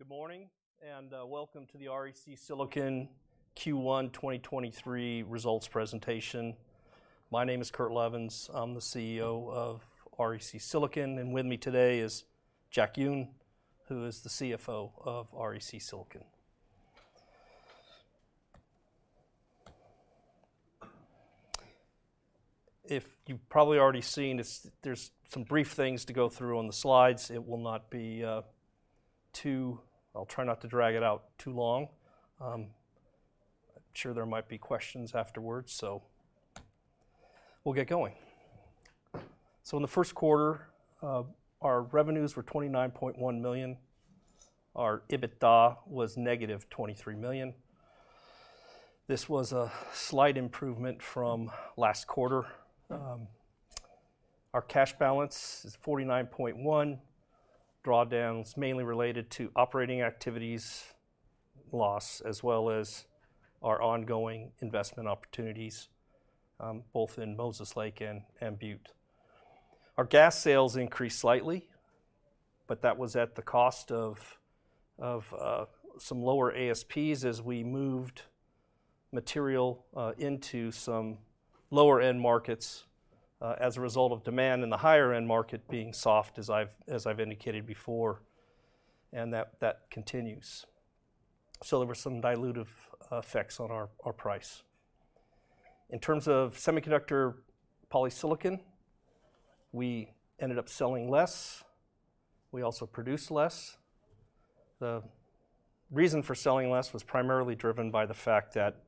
Good morning, welcome to the REC Silicon Q1 2023 results presentation. My name is Kurt Levens. I'm the CEO of REC Silicon, and with me today is Jack Yun, who is the CFO of REC Silicon. If you've probably already seen, there's some brief things to go through on the slides. I'll try not to drag it out too long. I'm sure there might be questions afterwards. We'll get going. In the first quarter, our revenues were $29.1 million. Our EBITDA was negative $23 million. This was a slight improvement from last quarter. Our cash balance is $49.1. Drawdown's mainly related to operating activities loss, as well as our ongoing investment opportunities, both in Moses Lake and Butte. Our gas sales increased slightly, but that was at the cost of some lower ASPs as we moved material into some lower-end markets as a result of demand in the higher-end market being soft, as I've indicated before, and that continues. There were some dilutive effects on our price. In terms of semiconductor polysilicon, we ended up selling less. We also produced less. The reason for selling less was primarily driven by the fact that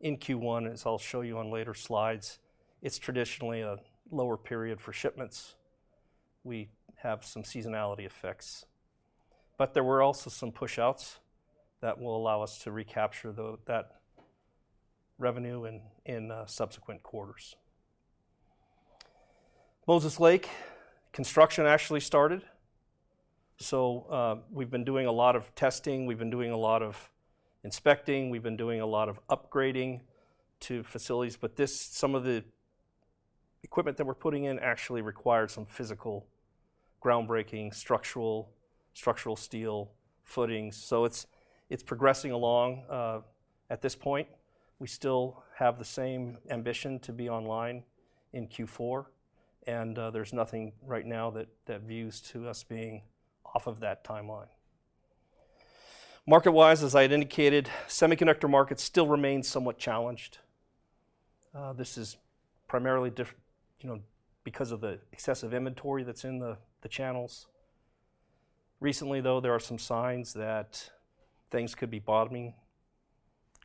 in Q1, as I'll show you on later slides, it's traditionally a lower period for shipments. We have some seasonality effects. There were also some pushouts that will allow us to recapture that revenue in subsequent quarters. Moses Lake construction actually started. We've been doing a lot of testing. We've been doing a lot of inspecting. We've been doing a lot of upgrading to facilities. Some of the equipment that we're putting in actually required some physical groundbreaking structural steel footings. It's progressing along. At this point, we still have the same ambition to be online in Q4, and there's nothing right now that views to us being off of that timeline. Market-wise, as I indicated, semiconductor markets still remain somewhat challenged. This is primarily you know, because of the excessive inventory that's in the channels. Recently, though, there are some signs that things could be bottoming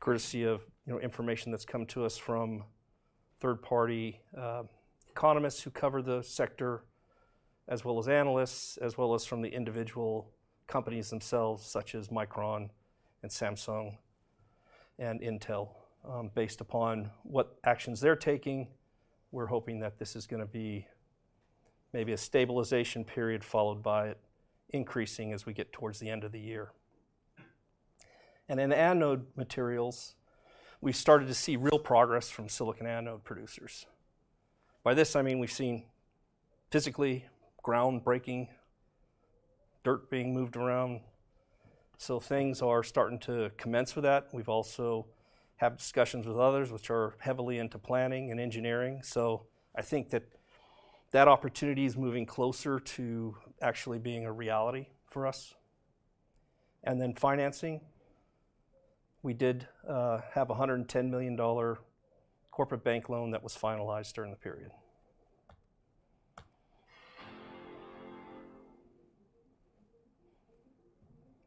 courtesy of, you know, information that's come to us from third-party economists who cover the sector, as well as analysts, as well as from the individual companies themselves, such as Micron and Samsung and Intel. Based upon what actions they're taking, we're hoping that this is gonna be maybe a stabilization period followed by increasing as we get towards the end of the year. In anode materials, we've started to see real progress from silicon anode producers. By this, I mean, we've seen physically groundbreaking, dirt being moved around. Things are starting to commence with that. We've also had discussions with others which are heavily into planning and engineering. I think that that opportunity is moving closer to actually being a reality for us. Financing, we did have a $110 million corporate bank loan that was finalized during the period.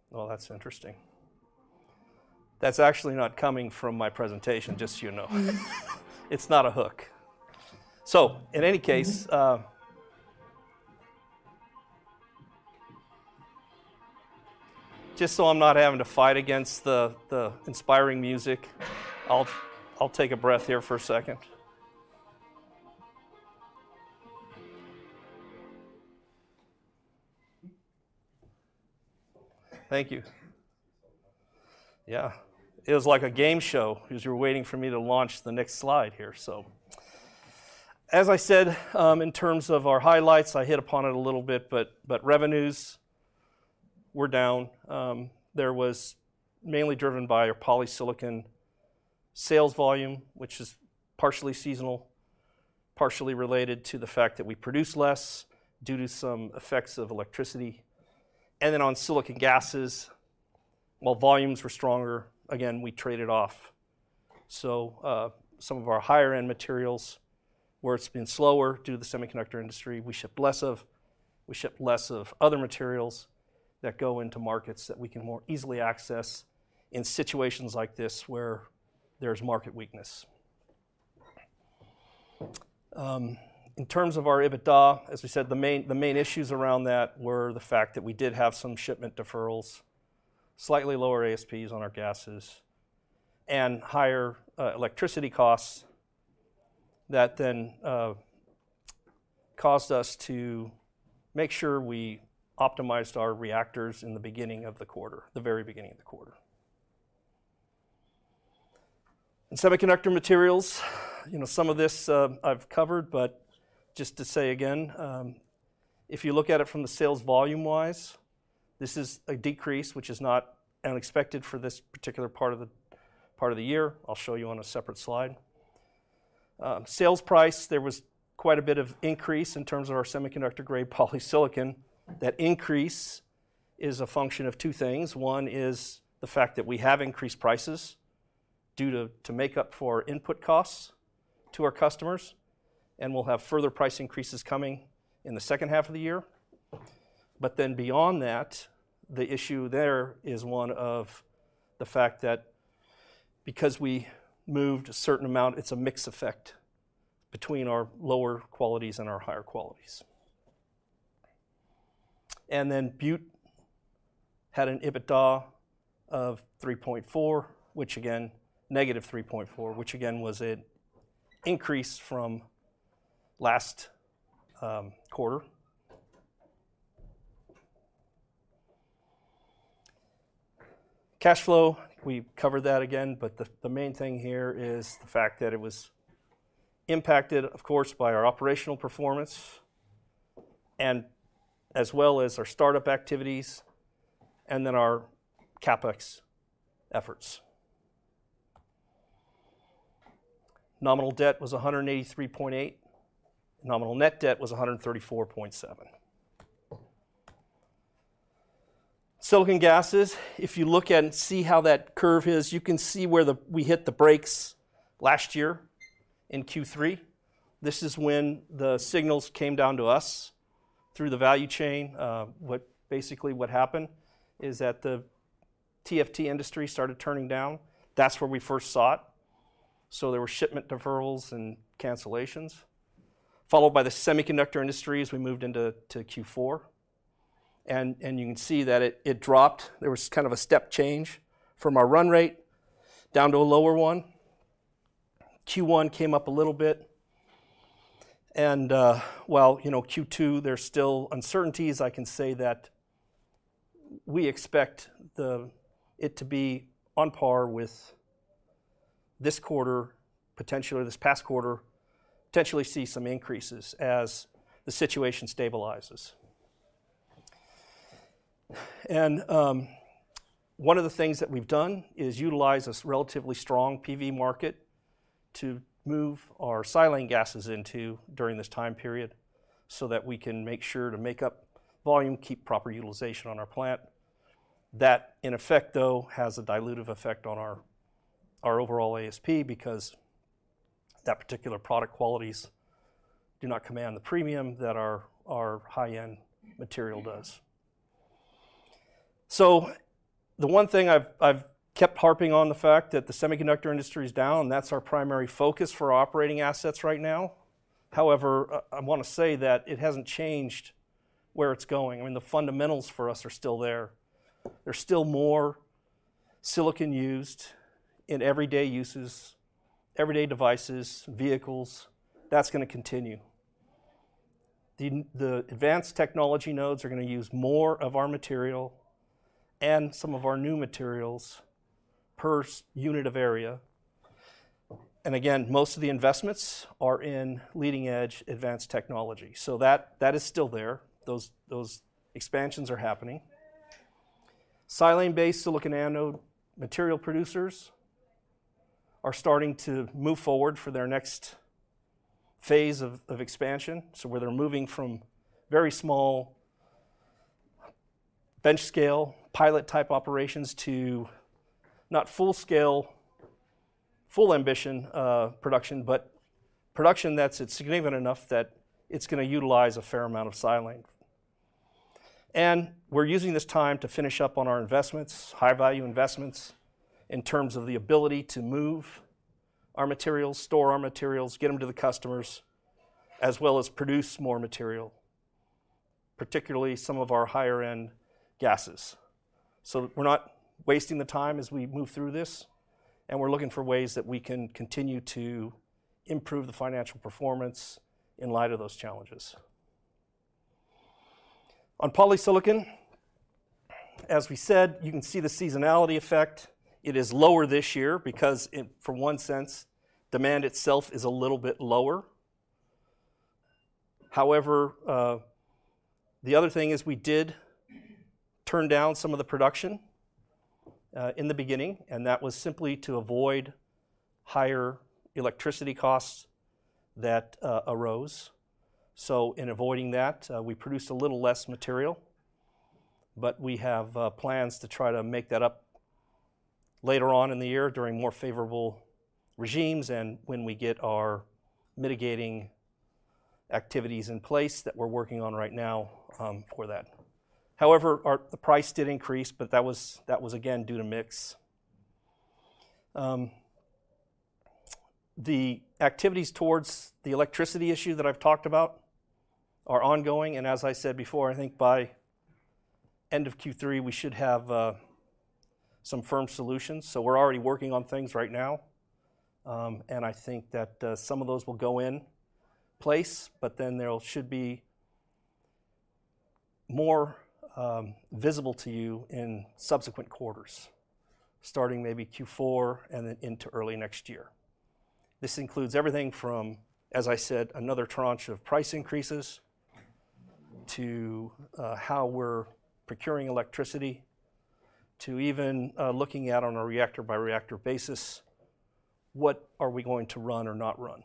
Well, that's interesting. That's actually not coming from my presentation, just so you know. It's not a hook. In any case. Just so I'm not having to fight against the inspiring music, I'll take a breath here for a second. Thank you. Yeah. It was like a game show as you were waiting for me to launch the next slide here. As I said, in terms of our highlights, I hit upon it a little bit, but revenues were down. There was mainly driven by our polysilicon sales volume, which is partially seasonal, partially related to the fact that we produce less due to some effects of electricity. On silicon gases, while volumes were stronger, again, we traded off. Some of our higher-end materials where it's been slower due to the semiconductor industry, we shipped less of. We shipped less of other materials that go into markets that we can more easily access in situations like this where there's market weakness. In terms of our EBITDA, as we said, the main issues around that were the fact that we did have some shipment deferrals, slightly lower ASPs on our gases, and higher electricity costs that then caused us to make sure we optimized our reactors in the beginning of the quarter the very beginning of the quarter. In semiconductor materials, you know, some of this I've covered, but just to say again, if you look at it from the sales volume wise, this is a decrease which is not unexpected for this particular part of the year. I'll show you on a separate slide. Sales price, there was quite a bit of increase in terms of our semiconductor grade polysilicon. That increase is a function of two things. One is the fact that we have increased prices due to make up for input costs to our customers. We'll have further price increases coming in the second half of the year. Beyond that, the issue there is one of the fact that because we moved a certain amount, it's a mix effect between our lower qualities and our higher qualities. Butte had an EBITDA of $3.4, which again negative $3.4, which again was an increase from last quarter. Cash flow, we covered that again, the main thing here is the fact that it was impacted, of course, by our operational performance as well as our startup activities and our CapEx efforts. Nominal debt was $183.8. Nominal net debt was $134.7. Silicon gases, if you look and see how that curve is, you can see where we hit the brakes last year in Q3. This is when the signals came down to us through the value chain. Basically what happened is that the TFT industry started turning down. That's where we first saw it. There were shipment deferrals and cancellations, followed by the semiconductor industry as we moved into Q4. You can see that it dropped. There was kind of a step change from our run rate down to a lower one. Q1 came up a little bit. While, you know, Q2, there's still uncertainties, I can say that we expect it to be on par with this quarter, potentially this past quarter, potentially see some increases as the situation stabilizes. One of the things that we've done is utilize this relatively strong PV market to move our Silane gases into during this time period, so that we can make sure to make up volume, keep proper utilization on our plant. That in effect, though, has a dilutive effect on our overall ASP because that particular product qualities do not command the premium that our high-end material does. The one thing I've kept harping on the fact that the semiconductor industry is down. That's our primary focus for operating assets right now. I wanna say that it hasn't changed where it's going. I mean, the fundamentals for us are still there. There's still more silicon used in everyday uses, everyday devices, vehicles. That's gonna continue. The advanced technology nodes are gonna use more of our material and some of our new materials per unit of area. Again, most of the investments are in leading-edge advanced technology. That is still there. Those expansions are happening. Silane-based silicon anode material producers are starting to move forward for their next phase of expansion. Where they're moving from very small bench-scale pilot-type operations to not full scale, full ambition, production, but production that's significant enough that it's gonna utilize a fair amount of Silane. We're using this time to finish up on our investments, high-value investments, in terms of the ability to move our materials, store our materials, get them to the customers, as well as produce more material, particularly some of our higher-end gases. We're not wasting the time as we move through this, and we're looking for ways that we can continue to improve the financial performance in light of those challenges. On polysilicon, as we said, you can see the seasonality effect. It is lower this year because for one sense, demand itself is a little bit lower. However, the other thing is we did turn down some of the production in the beginning, and that was simply to avoid higher electricity costs that arose. In avoiding that, we produced a little less material, but we have plans to try to make that up later on in the year during more favorable regimes and when we get our mitigating activities in place that we're working on right now for that. However, the price did increase, but that was again due to mix. The activities towards the electricity issue that I've talked about are ongoing, and as I said before, I think by end of Q3, we should have some firm solutions. We're already working on things right now, and I think that some of those will go in place, should be more visible to you in subsequent quarters, starting maybe Q4 and then into early next year. This includes everything from, as I said, another tranche of price increases, to how we're procuring electricity, to even looking at on a reactor-by-reactor basis what are we going to run or not run.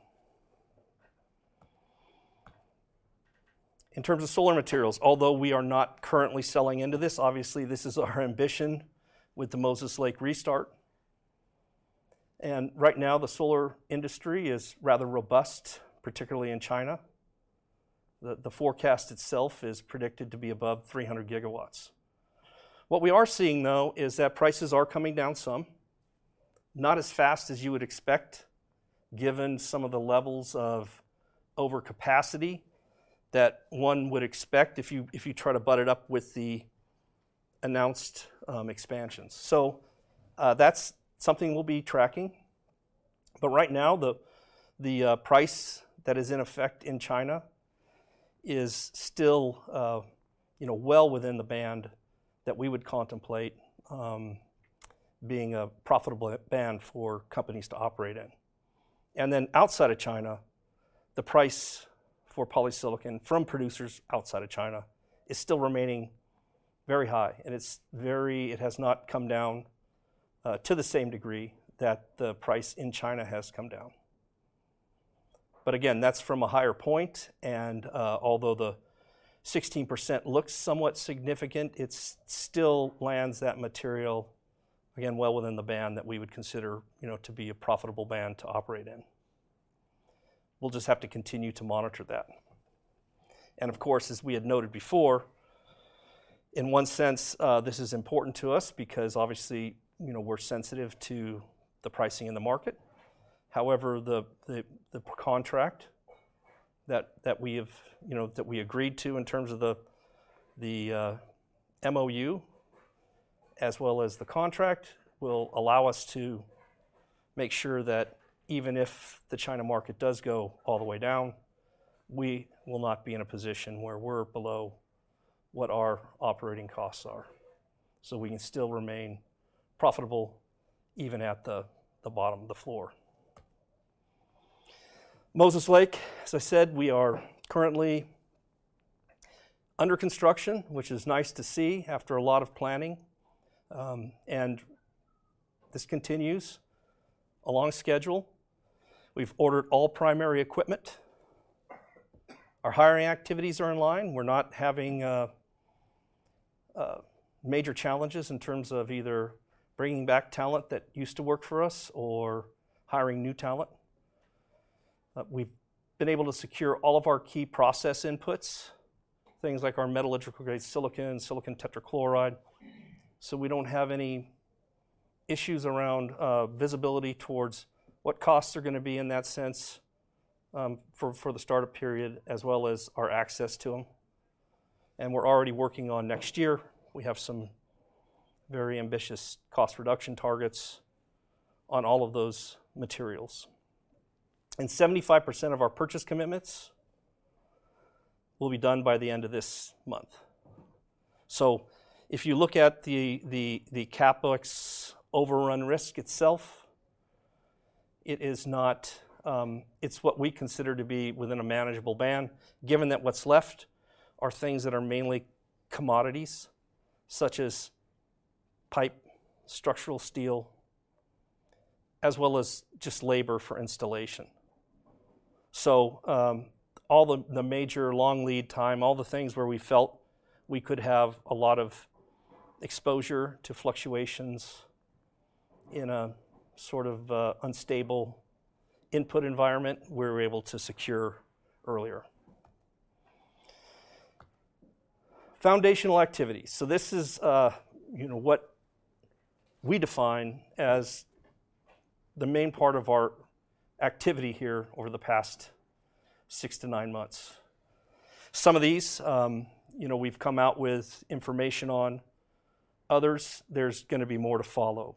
In terms of solar materials, although we are not currently selling into this, obviously this is our ambition with the Moses Lake restart. Right now, the solar industry is rather robust, particularly in China. The forecast itself is predicted to be above 300 GW. What we are seeing, though, is that prices are coming down some. Not as fast as you would expect, given some of the levels of overcapacity that one would expect if you, if you try to butt it up with the announced expansions. That's something we'll be tracking. Right now, the price that is in effect in China is still, you know, well within the band that we would contemplate being a profitable band for companies to operate in. Outside of China, the price for polysilicon from producers outside of China is still remaining very high, and it has not come down to the same degree that the price in China has come down. Again, that's from a higher point, and, although the 16% looks somewhat significant, it still lands that material, again, well within the band that we would consider, you know, to be a profitable band to operate in. We'll just have to continue to monitor that. Of course, as we had noted before, in one sense, this is important to us because obviously, you know, we're sensitive to the pricing in the market. However, the contract that we have, you know, that we agreed to in terms of the MOU as well as the contract will allow us to make sure that even if the China market does go all the way down, we will not be in a position where we're below what our operating costs are. We can still remain profitable even at the bottom, the floor. Moses Lake, as I said, we are currently under construction, which is nice to see after a lot of planning. This continues along schedule. We've ordered all primary equipment. Our hiring activities are in line. We're not having major challenges in terms of either bringing back talent that used to work for us or hiring new talent. We've been able to secure all of our key process inputs, things like our metallurgical grade silicon tetrachloride. We don't have any issues around visibility towards what costs are gonna be in that sense, for the startup period as well as our access to them. We're already working on next year. We have some very ambitious cost reduction targets on all of those materials. 75% of our purchase commitments will be done by the end of this month. If you look at the CapEx overrun risk itself, it is not, it's what we consider to be within a manageable band, given that what's left are things that are mainly commodities, such as pipe, structural steel, as well as just labor for installation. All the major long lead time, all the things where we felt we could have a lot of exposure to fluctuations in a sort of unstable input environment, we were able to secure earlier. Foundational activities. This is, you know, what we define as the main part of our activity here over the past six to nine months. Some of these, you know, we've come out with information on. Others, there's gonna be more to follow.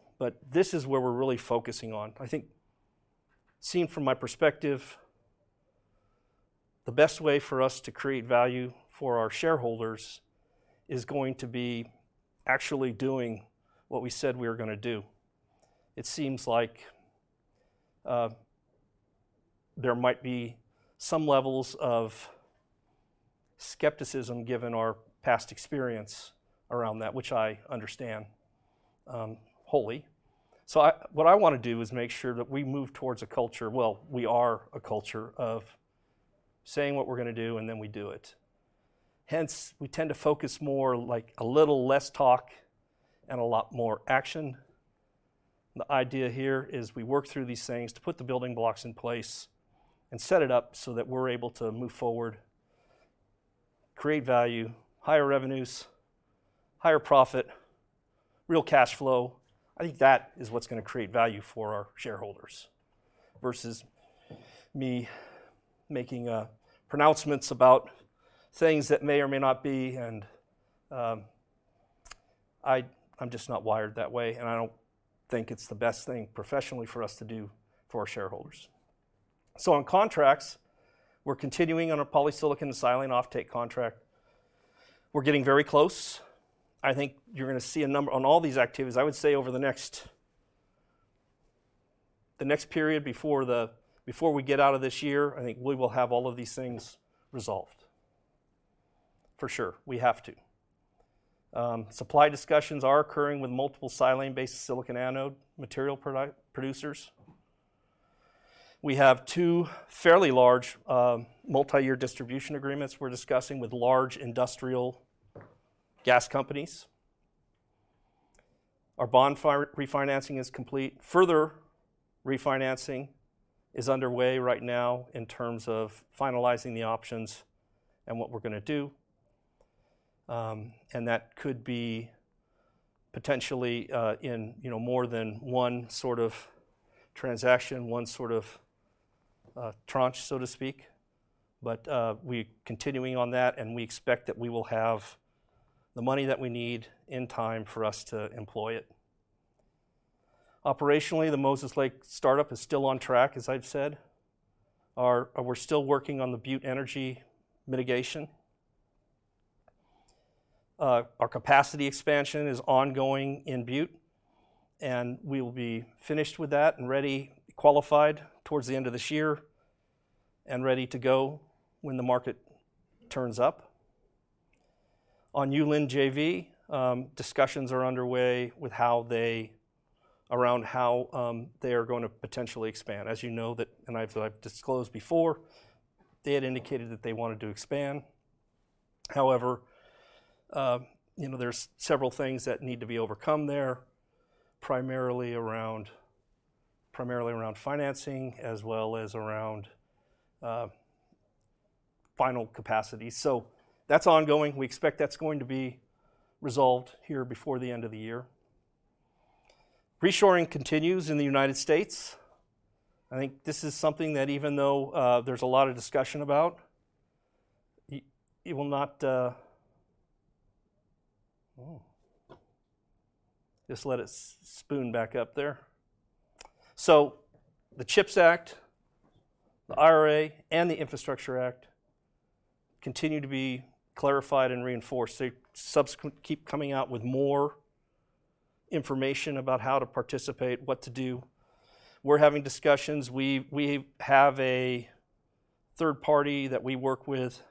This is where we're really focusing on. I think seen from my perspective, the best way for us to create value for our shareholders is going to be actually doing what we said we were gonna do. It seems like there might be some levels of skepticism given our past experience around that, which I understand wholly. What I want to do is make sure that we move towards a culture, well, we are a culture of saying what we're going to do and then we do it. Hence, we tend to focus more like a little less talk and a lot more action. The idea here is we work through these things to put the building blocks in place and set it up so that we're able to move forward, create value, higher revenues, higher profit, real cash flow. I think that is what's going to create value for our shareholders versus me making pronouncements about things that may or may not be and I'm just not wired that way, and I don't think it's the best thing professionally for us to do for our shareholders. On contracts, we're continuing on a polysilicon silane offtake contract. We're getting very close. I think you're gonna see On all these activities, I would say over the next, the next period before before we get out of this year, I think we will have all of these things resolved. For sure, we have to. Supply discussions are occurring with multiple silane-based silicon anode material producers. We have two fairly large multi-year distribution agreements we're discussing with large industrial gas companies. Our bond refinancing is complete. Further refinancing is underway right now in terms of finalizing the options and what we're gonna do. And that could be potentially in, you know, more than one sort of transaction, one sort of tranche, so to speak. We're continuing on that, and we expect that we will have the money that we need in time for us to employ it. Operationally, the Moses Lake startup is still on track, as I've said. We're still working on the Butte energy mitigation. Our capacity expansion is ongoing in Butte, and we will be finished with that and ready, qualified towards the end of this year and ready to go when the market turns up. On Yulin JV, discussions are underway with how around how they are gonna potentially expand. As you know that, and I've disclosed before, they had indicated that they wanted to expand. However, you know, there's several things that need to be overcome there, primarily around financing as well as around final capacity. That's ongoing. We expect that's going to be resolved here before the end of the year. Reshoring continues in the United States. I think this is something that even though there's a lot of discussion about, you will not. The CHIPS Act, the IRA, and the Infrastructure Act continue to be clarified and reinforced. They keep coming out with more information about how to participate, what to do. We're having discussions. We have a third party that we work with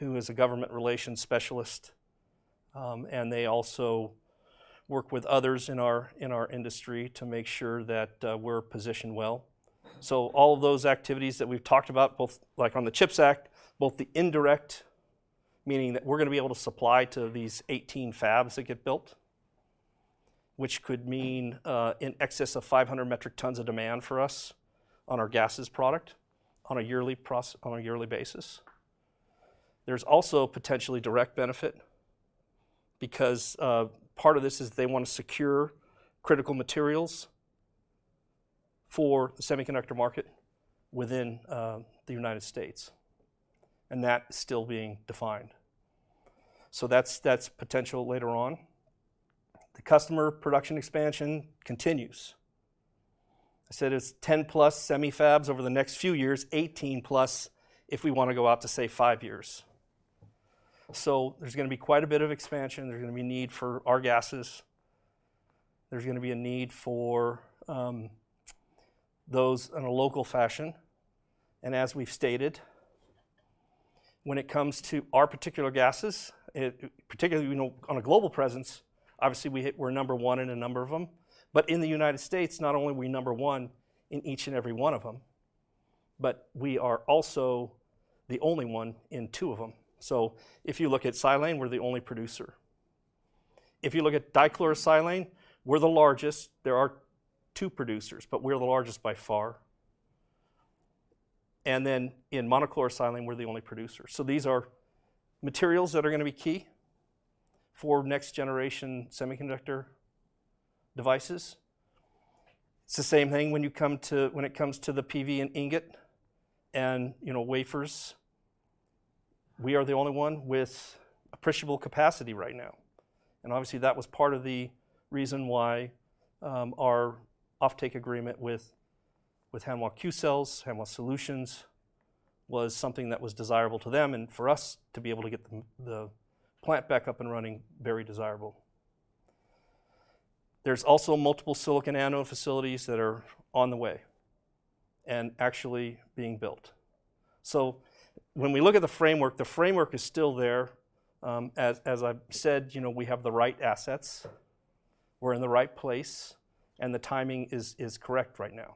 who is a government relations specialist, and they also work with others in our industry to make sure that we're positioned well. All of those activities that we've talked about, both like on the CHIPS Act, both the indirect, meaning that we're gonna be able to supply to these 18 fabs that get built, which could mean in excess of 500 metric tons of demand for us on our gases product on a yearly basis. There's also potentially direct benefit because part of this is they wanna secure critical materials for the semiconductor market within the United States, and that is still being defined. That's, that's potential later on. The customer production expansion continues. I said it's 10+ semi fabs over the next few years, 18+ if we wanna go out to, say, five years. There's gonna be quite a bit of expansion. There's gonna be need for our gases. There's gonna be a need for those in a local fashion. As we've stated, when it comes to our particular gases, particularly, you know, on a global presence, obviously, we're number one in a number of them. In the United States, not only are we number one in each and every one of them, but we are also the only one in two of them. If you look at Silane, we're the only producer. If you look at Dichlorosilane, we're the largest. There are two producers, but we're the largest by far. Then in Monochlorosilane, we're the only producer. These are materials that are gonna be key for next-generation semiconductor devices. It's the same thing when it comes to the PV and ingot and, you know, wafers. We are the only one with appreciable capacity right now. Obviously, that was part of the reason why, our offtake agreement with Hanwha Qcells, Hanwha Solutions, was something that was desirable to them and for us to be able to get the plant back up and running, very desirable. There's also multiple silicon anode facilities that are on the way and actually being built. When we look at the framework, the framework is still there. As, as I've said, you know, we have the right assets, we're in the right place, and the timing is correct right now.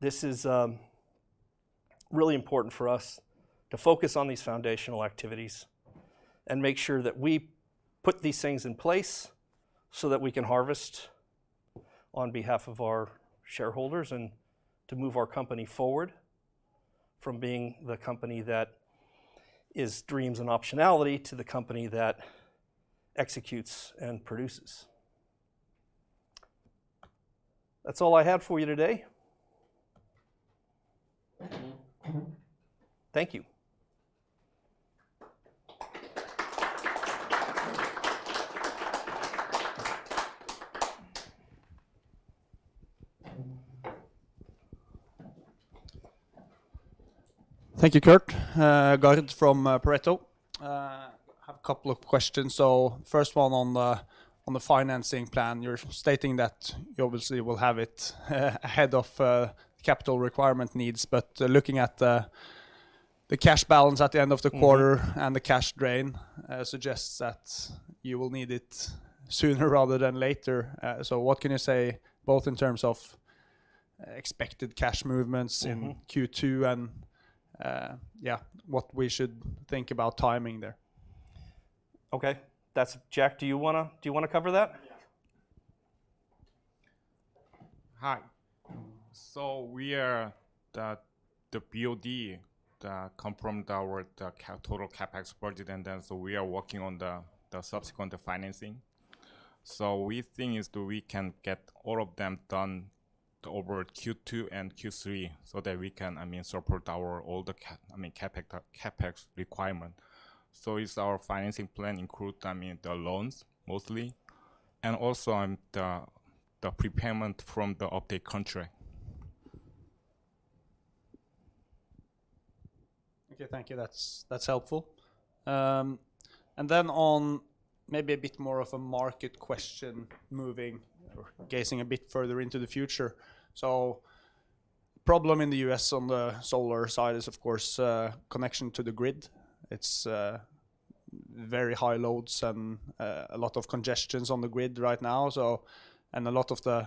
This is, really important for us to focus on these foundational activities and make sure that we put these things in place so that we can harvest on behalf of our shareholders and to move our company forward from being the company that is dreams and optionality to the company that executes and produces. That's all I have for you today. Thank you. Thank you, Kurt. Gard from Pareto. Have a couple of questions. First one on the financing plan, you're stating that you obviously will have it ahead of capital requirement needs. Looking at the cash balance at the end of the quarter. Mm-hmm... the cash drain suggests that you will need it sooner rather than later. What can you say both in terms of expected cash movements. Mm-hmm... in Q2 and, yeah, what we should think about timing there? Okay. That's. Jack, do you wanna cover that? Yeah. Hi. We are, the BOD confirmed our total CapEx budget, and then so we are working on the subsequent financing. We think is do we can get all of them done over Q2 and Q3 so that we can, I mean, support our all the I mean, CapEx requirement. is our financing plan include, I mean, the loans mostly, and also the prepayment from the offtake contract. Okay, thank you. That's helpful. Then on maybe a bit more of a market question, moving or gazing a bit further into the future. Problem in the U.S. on the solar side is, of course, connection to the grid. It's very high loads and a lot of congestions on the grid right now. A lot of the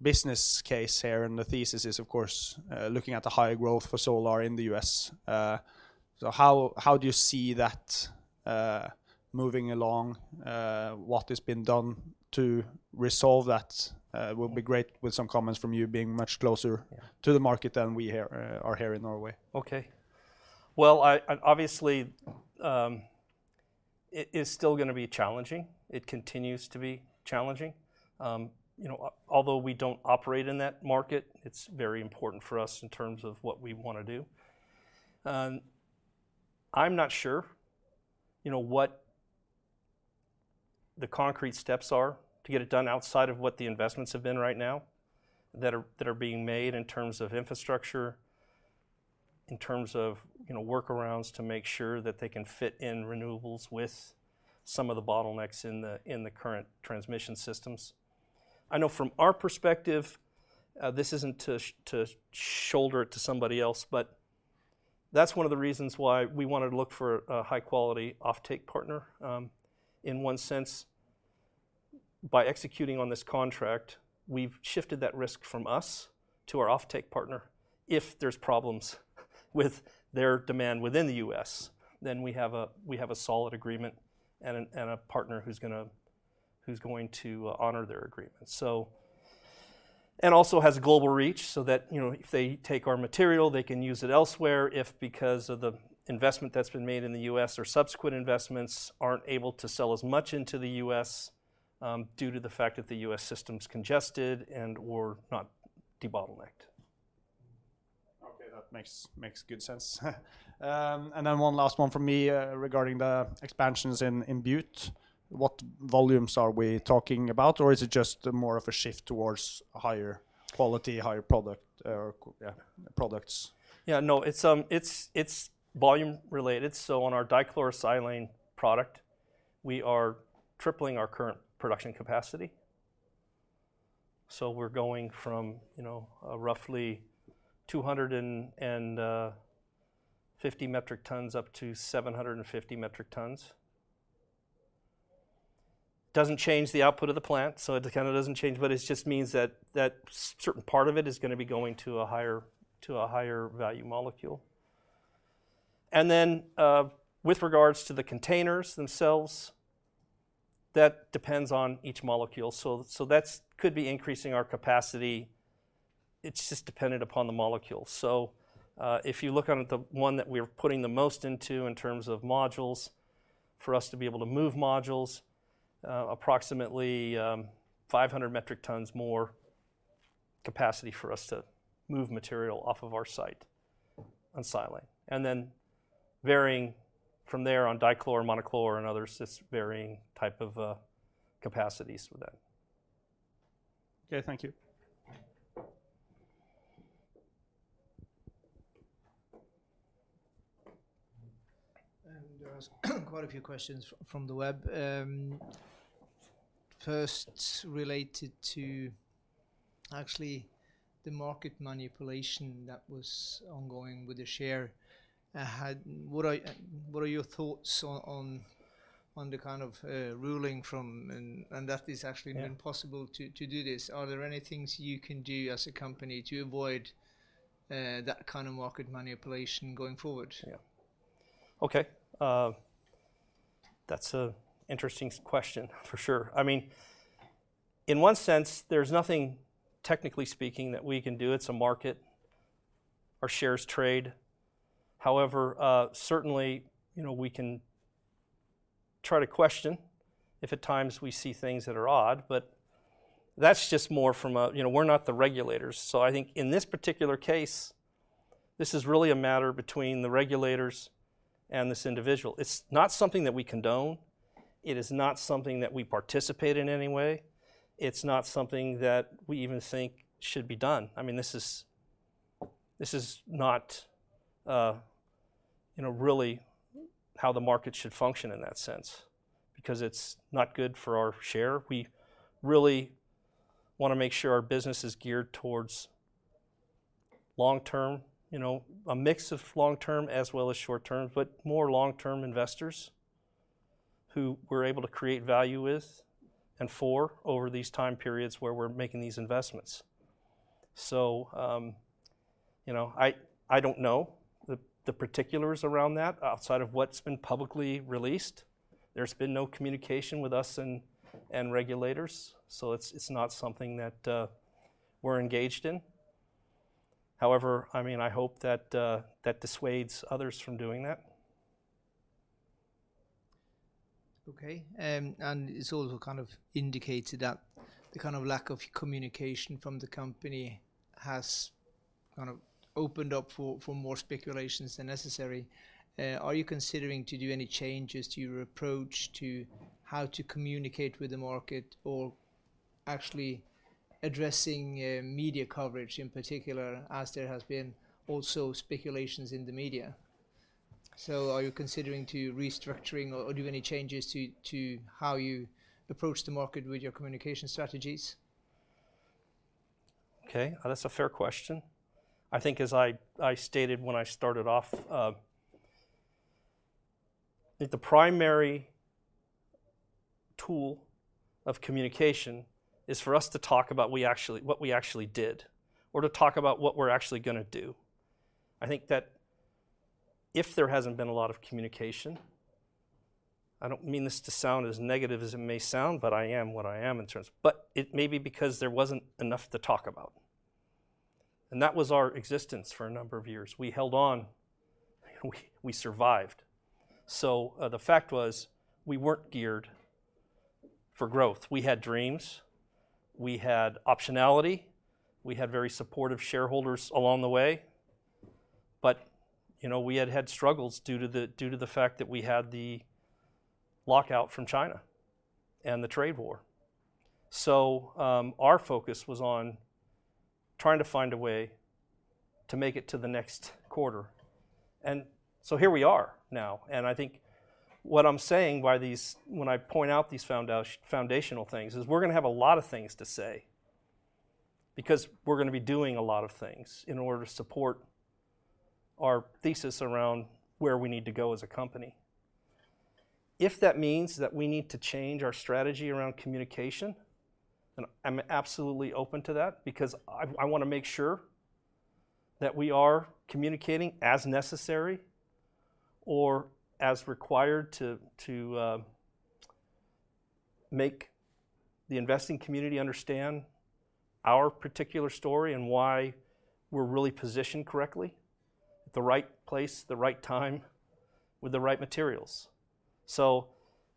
business case here and the thesis is, of course, looking at the high growth for solar in the U.S. How do you see that moving along? What has been done to resolve that? Would be great with some comments from you being much closer- Yeah... to the market than we here, or here in Norway. Ok. Well, obviously, it is still gonna be challenging. It continues to be challenging. You know, although we don't operate in that market, it's very important for us in terms of what we wanna do. I'm not sure, you know, what the concrete steps are to get it done outside of what the investments have been right now that are being made in terms of infrastructure, in terms of, you know, workarounds to make sure that they can fit in renewables with some of the bottlenecks in the current transmission systems. I know from our perspective, this isn't to shoulder it to somebody else, but that's one of the reasons why we wanted to look for a high quality offtake partner. In one sense, by executing on this contract, we've shifted that risk from us to our offtake partner. If there's problems with their demand within the U.S., we have a solid agreement and a partner who's going to honor their agreement. Also has global reach so that, you know, if they take our material, they can use it elsewhere if because of the investment that's been made in the U.S. or subsequent investments aren't able to sell as much into the U.S., due to the fact that the U.S. system's congested and/or not debottlenecked. Okay. That makes good sense. Then one last one from me, regarding the expansions in Butte. What volumes are we talking about? Or is it just more of a shift towards higher quality, higher product or, yeah, products? Yeah, no. It's, it's volume related. On our dichlorosilane product, we are tripling our current production capacity. We're going from, you know, roughly 250 metric tons up to 750 metric tons. Doesn't change the output of the plant, so it kinda doesn't change, but it just means that certain part of it is gonna be going to a higher value molecule. With regards to the containers themselves, that depends on each molecule. That's could be increasing our capacity. It's just dependent upon the molecule. If you look on at the one that we're putting the most into in terms of modules, for us to be able to move modules, approximately, 500 metric tons more capacity for us to move material off of our site on Silane. Varying from there on Dichlorosilane, Monochlorosilane and others, it's varying type of, capacities with that. Okay, thank you. There's quite a few questions from the web. First related to actually the market manipulation that was ongoing with the share. What are your thoughts on the kind of ruling from and that it's actually? Yeah possible to do this? Are there any things you can do as a company to avoid, that kind of market manipulation going forward? Yeah. Okay. That's a interesting question, for sure. I mean, in one sense, there's nothing technically speaking that we can do. It's a market. Our shares trade. However, certainly, you know we can, Try to question if at times we see things that are odd, but that's just more. You know, we're not the regulators. I think in this particular case, this is really a matter between the regulators and this individual. It's not something that we condone. It is not something that we participate in any way. It's not something that we even think should be done. I mean, this is not, you know, really how the market should function in that sense because it's not good for our share. We really wanna make sure our business is geared towards long-term, you know, a mix of long-term as well as short-term, but more long-term investors who we're able to create value with and for over these time periods where we're making these investments. You know, I don't know the particulars around that outside of what's been publicly released. There's been no communication with us and regulators, so it's not something that we're engaged in. However, I mean, I hope that that dissuades others from doing that. Ok. It's also kind of indicated that the kind of lack of communication from the company has kind of opened up for more speculations than necessary. Are you considering to do any changes to your approach to how to communicate with the market or actually addressing media coverage in particular as there has been also speculations in the media? So are you considering to restructuring or do any changes to how you approach the market with your communication strategies? Okay. That's a fair question. I think as I stated when I started off, that the primary tool of communication is for us to talk about what we actually did or to talk about what we're actually gonna do. I think that if there hasn't been a lot of communication, I don't mean this to sound as negative as it may sound, but I am what I am in terms. It may be because there wasn't enough to talk about, and that was our existence for a number of years. We held on. We survived. The fact was we weren't geared for growth. We had dreams. We had optionality. We had very supportive shareholders along the way. You know, we had had struggles due to the fact that we had the lockout from China and the trade war. Our focus was on trying to find a way to make it to the next quarter. Here we are now, and I think what I'm saying by when I point out these foundational things is we're gonna have a lot of things to say because we're gonna be doing a lot of things in order to support our thesis around where we need to go as a company. If that means that we need to change our strategy around communication, then I'm absolutely open to that because I wanna make sure that we are communicating as necessary or as required to make the investing community understand our particular story and why we're really positioned correctly at the right place, the right time, with the right materials.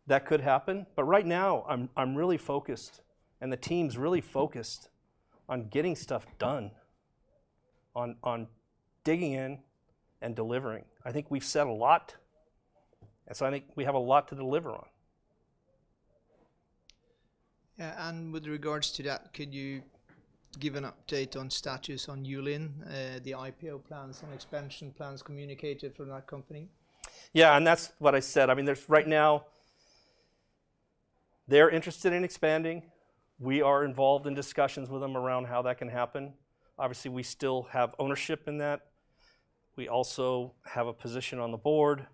That could happen, but right now I'm really focused, and the team's really focused on getting stuff done, on digging in and delivering. I think we've said a lot, I think we have a lot to deliver on. With regards to that, could you give an update on status on Yulin, the IPO plans and expansion plans communicated for that company? Yeah, that's what I said. I mean, right now, they're interested in expanding. We are involved in discussions with them around how that can happen. Obviously, we still have ownership in that. We also have a position on the board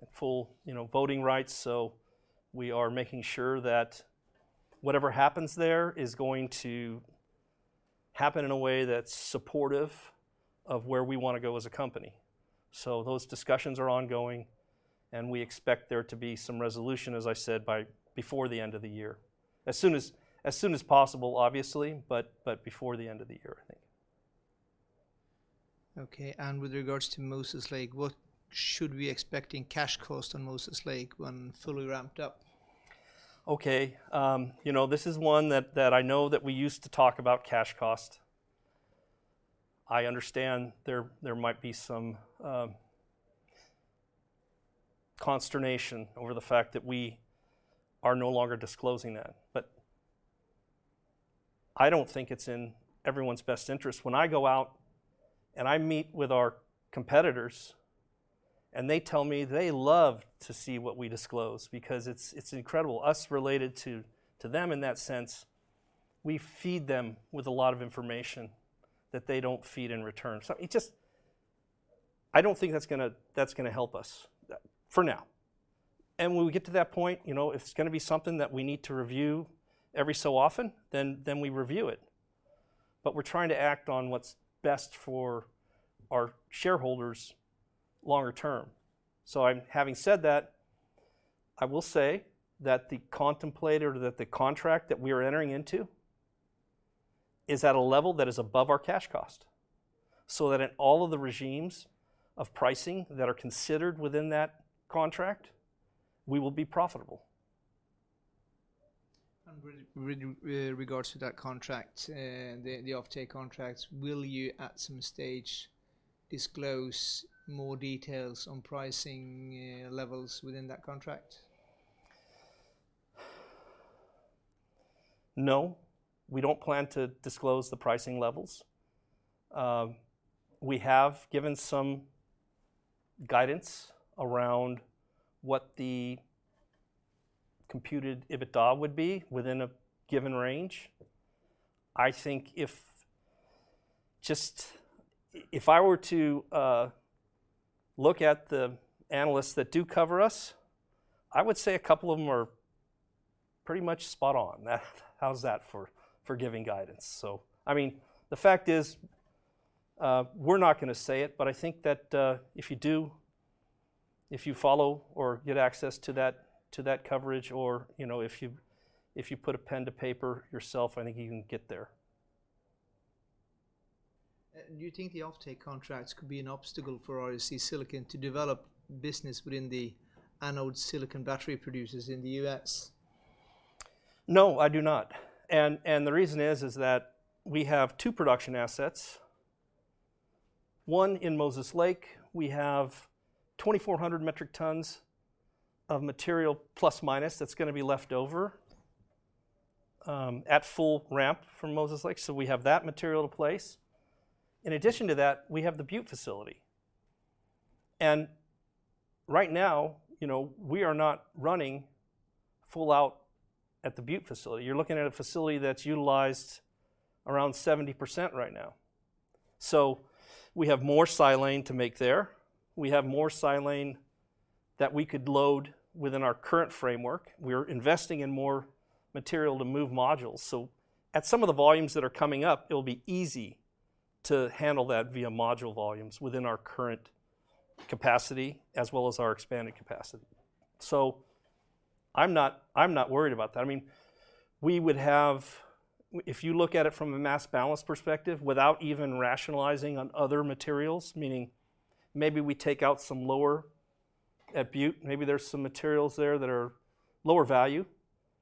and full, you know, voting rights, so we are making sure that whatever happens there is going to happen in a way that's supportive of where we wanna go as a company. Those discussions are ongoing, and we expect there to be some resolution, as I said, by before the end of the year. As soon as possible, obviously, but before the end of the year, I think. Okay. With regards to Moses Lake, what should we expect in cash cost on Moses Lake when fully ramped up? Okay. you know, this is one that I know that we used to talk about cash cost. I understand there might be some consternation over the fact that we are no longer disclosing that. I don't think it's in everyone's best interest. When I go out and I meet with our competitors and they tell me they love to see what we disclose because it's incredible. Us related to them in that sense, we feed them with a lot of information that they don't feed in return. I don't think that's gonna, that's gonna help us for now. When we get to that point, you know, if it's gonna be something that we need to review every so often, then we review it. We're trying to act on what's best for our shareholders longer term. Having said that, I will say that the contract that we are entering into is at a level that is above our cash cost, so that in all of the regimes of pricing that are considered within that contract, we will be profitable. With regards to that contract, the offtake contracts, will you at some stage disclose more details on pricing, levels within that contract? No, we don't plan to disclose the pricing levels. We have given some guidance around what the computed EBITDA would be within a given range. I think if I were to look at the analysts that do cover us, I would say a couple of them are pretty much spot on. How's that for giving guidance? I mean, the fact is, we're not gonna say it, but I think that, if you follow or get access to that, to that coverage or, you know, if you, if you put a pen to paper yourself, I think you can get there. Do you think the offtake contracts could be an obstacle for REC Silicon to develop business within the anode silicon battery producers in the U.S.? No, I do not. The reason is that we have two production assets. One in Moses Lake. We have 2,400 metric tons of material plus minus that's gonna be left over at full ramp from Moses Lake. We have that material to place. In addition to that, we have the Butte facility. Right now, you know, we are not running full out at the Butte facility. You're looking at a facility that's utilized around 70% right now. We have more silane to make there. We have more silane that we could load within our current framework. We're investing in more material to move modules. At some of the volumes that are coming up, it'll be easy to handle that via module volumes within our current capacity as well as our expanded capacity. I'm not, I'm not worried about that. I mean, we would have. If you look at it from a mass balance perspective, without even rationalizing on other materials, meaning maybe we take out some lower at Butte, maybe there's some materials there that are lower value,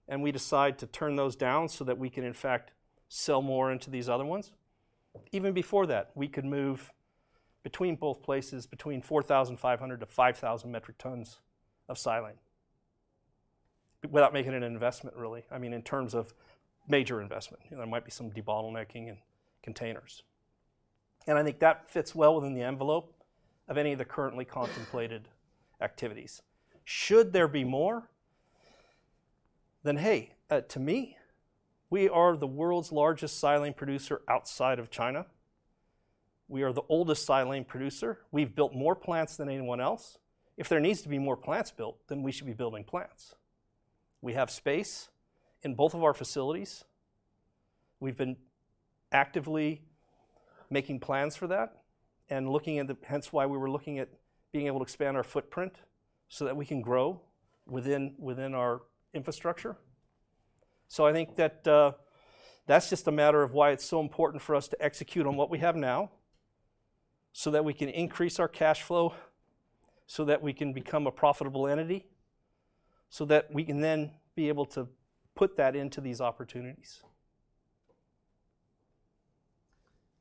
and we decide to turn those down so that we can in fact sell more into these other ones. Even before that, we could move between both places between 4,500-5,000 metric tons of silane without making an investment, really. I mean, in terms of major investment. You know, there might be some debottlenecking and containers. I think that fits well within the envelope of any of the currently contemplated activities. Should there be more, then hey, to me, we are the world's largest silane producer outside of China. We are the oldest silane producer. We've built more plants than anyone else. If there needs to be more plants built, we should be building plants. We have space in both of our facilities. We've been actively making plans for that and looking into hence why we were looking at being able to expand our footprint so that we can grow within our infrastructure. I think that's just a matter of why it's so important for us to execute on what we have now, so that we can increase our cash flow, so that we can become a profitable entity, so that we can then be able to put that into these opportunities.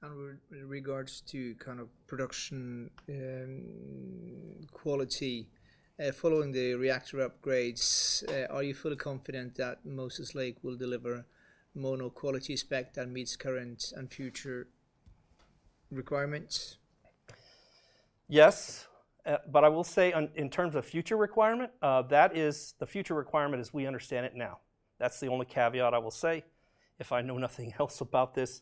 With regards to kind of production, quality, following the reactor upgrades, are you fully confident that Moses Lake will deliver mono quality spec that meets current and future requirements? Yes. But I will say in terms of future requirement, that is the future requirement as we understand it now. That's the only caveat I will say. If I know nothing else about this,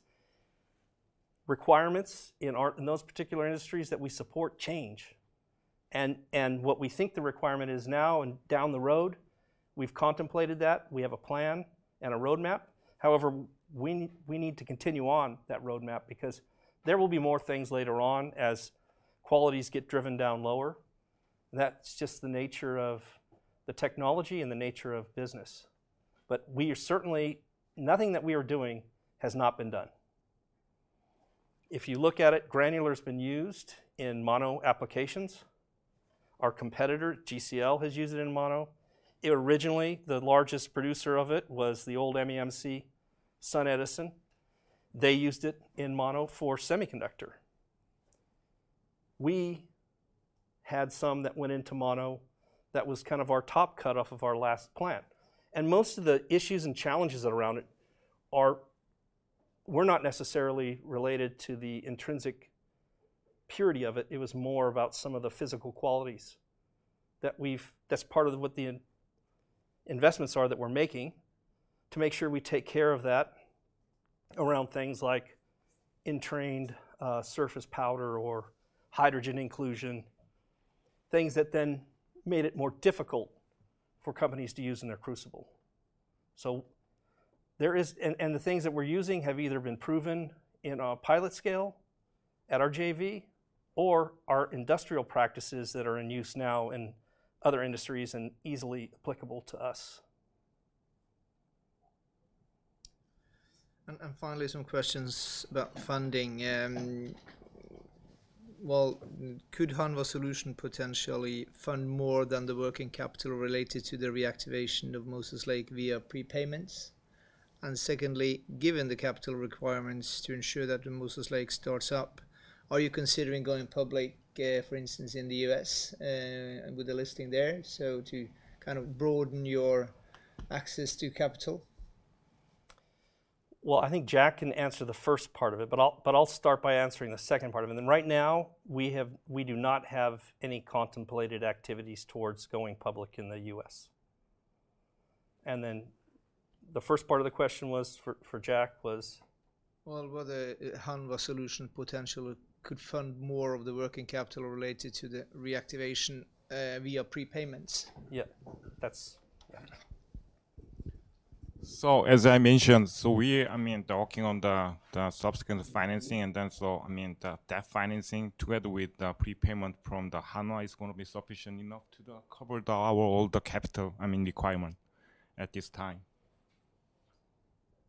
requirements in those particular industries that we support change, and what we think the requirement is now and down the road, we've contemplated that. We have a plan and a roadmap. However, we need to continue on that roadmap because there will be more things later on as qualities get driven down lower. That's just the nature of the technology and the nature of business. Nothing that we are doing has not been done. If you look at it, granular's been used in mono applications. Our competitor, GCL, has used it in mono. Originally, the largest producer of it was the old MEMC SunEdison. They used it in mono for semiconductor. We had some that went into mono that was kind of our top cut off of our last plant. Most of the issues and challenges around it were not necessarily related to the intrinsic purity of it. It was more about some of the physical qualities that's part of what the investments are that we're making to make sure we take care of that around things like entrained surface powder or hydrogen inclusion, things that then made it more difficult for companies to use in their crucible. The things that we're using have either been proven in a pilot scale-At our JV or our industrial practices that are in use now in other industries and easily applicable to us. Finally, some questions about funding. Well, could Hanwha Solutions potentially fund more than the working capital related to the reactivation of Moses Lake via prepayments? Secondly, given the capital requirements to ensure that the Moses Lake starts up, are you considering going public, for instance, in the U.S., with the listing there, so to kind of broaden your access to capital? Well, I think Jack can answer the first part of it, but I'll, but I'll start by answering the second part of it. Right now we do not have any contemplated activities towards going public in the U.S. The first part of the question was for Jack was? Well, whether Hanwha Solutions potentially could fund more of the working capital related to the reactivation, via prepayments. Yeah, that's... As I mentioned, I mean, talking on the subsequent financing, I mean, that financing together with the prepayment from the Hanwha is gonna be sufficient enough to cover our all the capital, I mean, requirement at this time.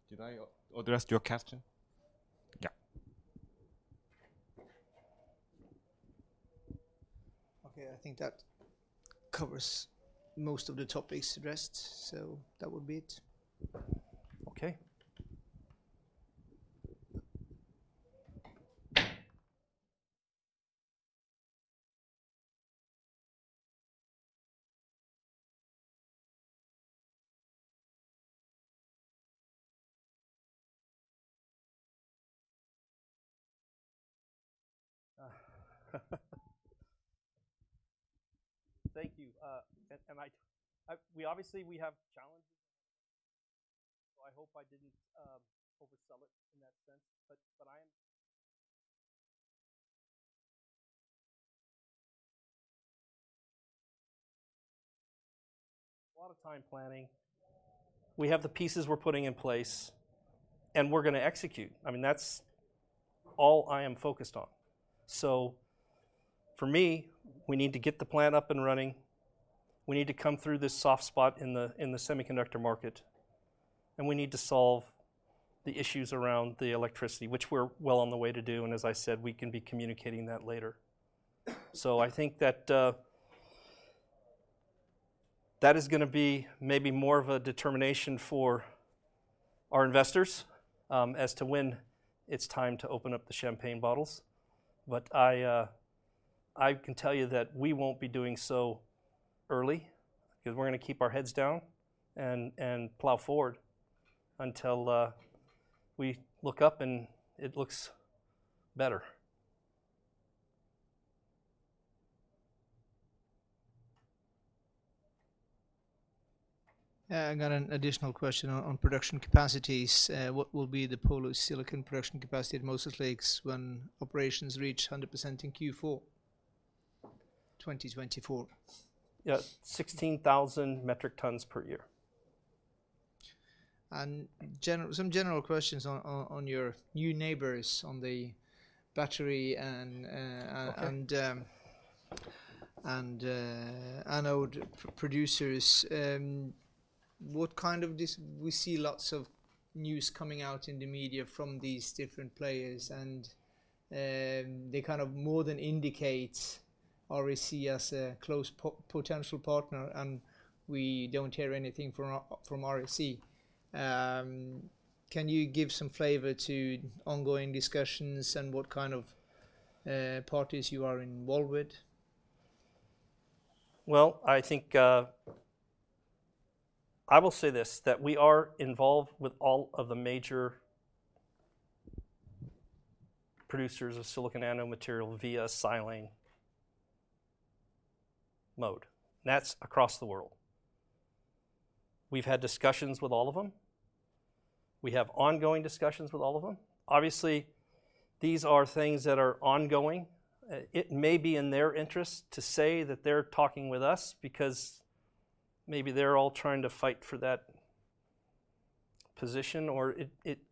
Did I address your question? Yeah. Okay. I think that covers most of the topics addressed, so that would be it. Okay. Thank you. And we obviously have challenges. I hope I didn't oversell it in that sense, but I am. A lot of time planning. We have the pieces we're putting in place, and we're gonna execute. I mean, that's all I am focused on. For me, we need to get the plant up and running. We need to come through this soft spot in the semiconductor market, and we need to solve the issues around the electricity, which we're well on the way to do. As I said, we can be communicating that later. I think that is gonna be maybe more of a determination for our investors as to when it's time to open up the champagne bottles. I can tell you that we won't be doing so early because we're gonna keep our heads down and plow forward until we look up and it looks better. Yeah. I got an additional question on production capacities. What will be the polysilicon production capacity at Moses Lake when operations reach 100% in Q4 2024? Yeah. 16,000 metric tons per year. some general questions on your new neighbors on the battery and. Okay... and anode producers. We see lots of news coming out in the media from these different players and they kind of more than indicate REC as a close potential partner, and we don't hear anything from REC. Can you give some flavor to ongoing discussions and what kind of parties you are involved with? Well, I think, I will say this, that we are involved with all of the major producers of silicon anode material via silane mode. That's across the world. We've had discussions with all of them. We have ongoing discussions with all of them. Obviously, these are things that are ongoing. It may be in their interest to say that they're talking with us because maybe they're all trying to fight for that position or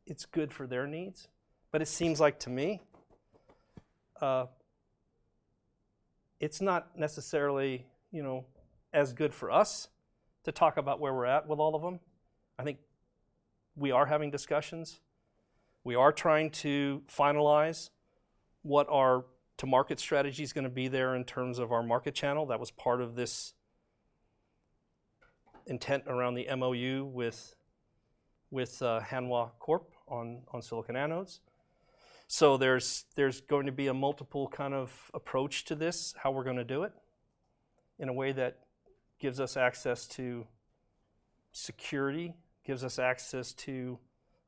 it's good for their needs. It seems like to me, it's not necessarily, you know, as good for us to talk about where we're at with all of them. I think we are having discussions. We are trying to finalize what our to-market strategy is gonna be there in terms of our market channel. That was part of this intent around the MOU with Hanwha Corporation on silicon anodes. There's going to be a multiple kind of approach to this, how we're gonna do it, in a way that gives us access to security, gives us access to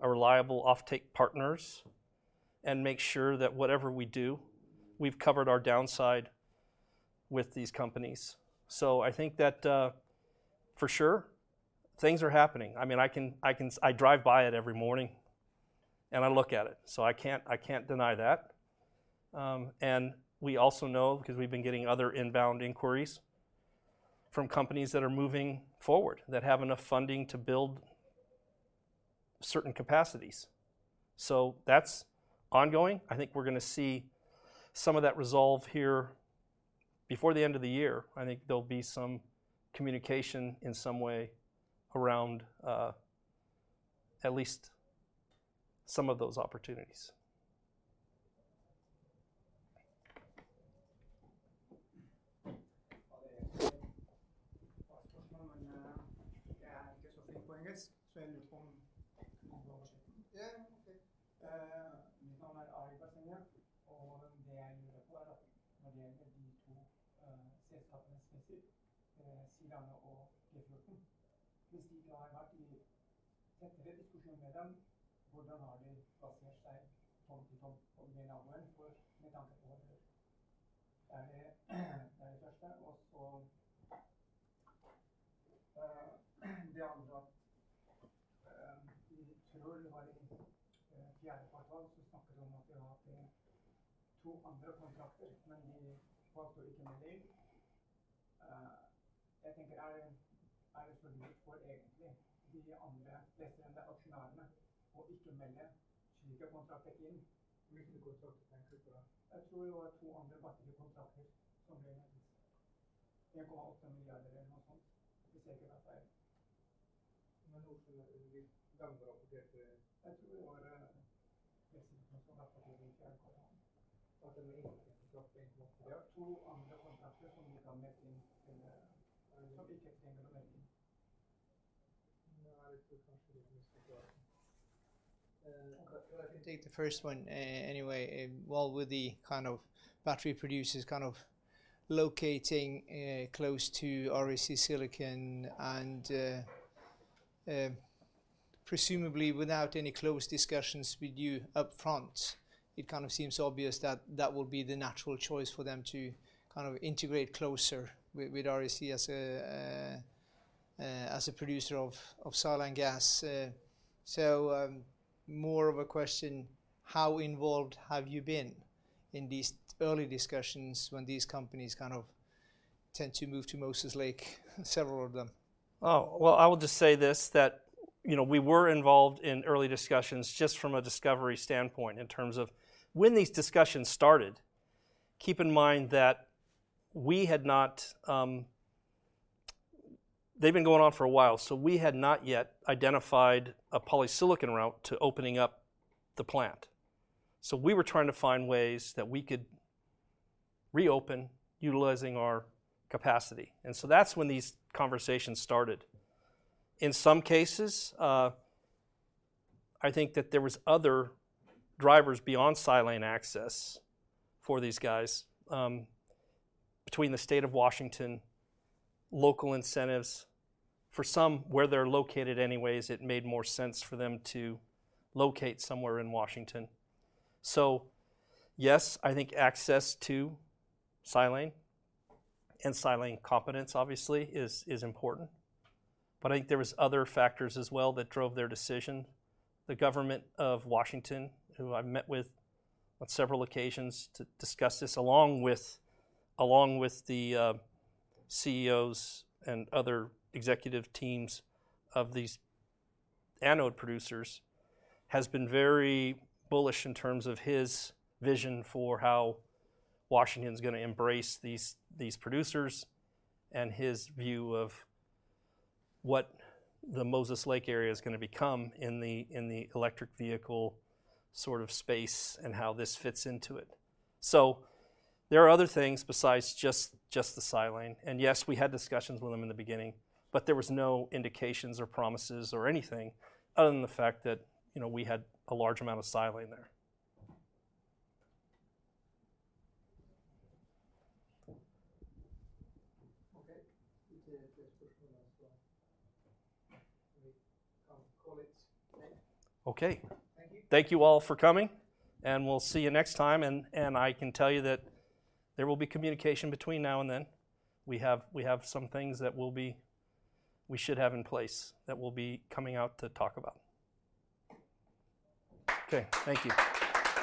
a reliable offtake partners, and makes sure that whatever we do, we've covered our downside with these companies. I think that for sure things are happening. I mean, I can drive by it every morning, and I look at it, so I can't deny that. We also know, because we've been getting other inbound inquiries from companies that are moving forward, that have enough funding to build certain capacities. That's ongoing. I think we're gonna see some of that resolve here before the end of the year. I think there'll be some communication in some way around, at least some of those opportunities. Well, I can take the first one, anyway. Well, with the kind of battery producers kind of locating close to REC Silicon and presumably without any close discussions with you upfront, it kind of seems obvious that that will be the natural choice for them to kind of integrate closer with REC as a producer of silane gas. More of a question, how involved have you been in these early discussions when these companies kind of tend to move to Moses Lake, several of them? Well, I would just say this, that, you know, we were involved in early discussions just from a discovery standpoint in terms of when these discussions started, keep in mind that we had not. They'd been going on for a while, so we had not yet identified a polysilicon route to opening up the plant. We were trying to find ways that we could reopen utilizing our capacity. That's when these conversations started. In some cases, I think that there was other drivers beyond silane access for these guys, between the state of Washington, local incentives. For some, where they're located anyways, it made more sense for them to locate somewhere in Washington. Yes, I think access to silane and silane competence obviously is important. I think there was other factors as well that drove their decision. The government of Washington, who I met with on several occasions to discuss this along with the CEOs and other executive teams of these anode producers, has been very bullish in terms of his vision for how Washington's gonna embrace these producers and his view of what the Moses Lake area is gonna become in the electric vehicle sort of space and how this fits into it. There are other things besides just the silane. Yes, we had discussions with them in the beginning, but there was no indications or promises or anything other than the fact that, you know, we had a large amount of silane there. Okay. Okay.Thank you all for coming, and we'll see you next time. I can tell you that there will be communication between now and then. We have some things that we should have in place that we'll be coming out to talk about. Okay, thank you.